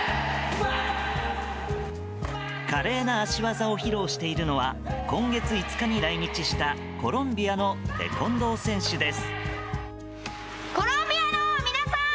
華麗な足技を披露しているのは今月５日に来日したコロンビアのテコンドー選手です。